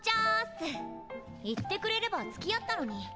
言ってくれればつきあったのに。